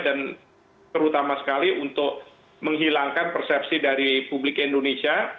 dan terutama sekali untuk menghilangkan persepsi dari publik indonesia